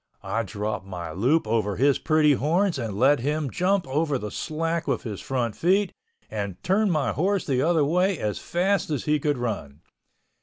I dropped my loop over his pretty horns and let him jump over the slack with his front feet, and turned my horse the other way as fast as he could run.